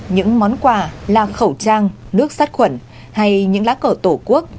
những món quà là khẩu trang nước sát khuẩn hay những lá cờ tổ quốc